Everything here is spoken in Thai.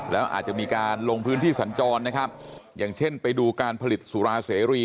แล้วอาจจะมีการลงพื้นที่สัญจรนะครับอย่างเช่นไปดูการผลิตสุราเสรี